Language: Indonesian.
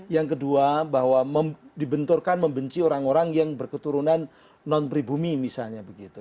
yang kedua bahwa dibenturkan membenci orang orang yang berketurunan non pribumi misalnya begitu